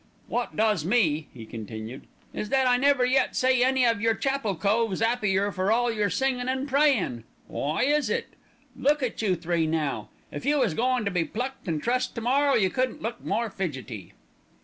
"Wot does me," he continued, "is that I never yet see any of your chapel coves 'appier for all your singin' an' prayin'. Why is it? Look at you three now! If you was goin' to be plucked and trussed to morrow, you couldn't look more fidgety."